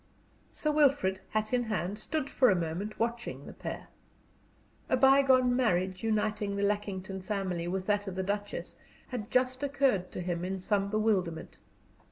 Sir Wilfrid, hat in hand, stood for a moment watching the pair. A bygone marriage uniting the Lackington family with that of the Duchess had just occurred to him in some bewilderment.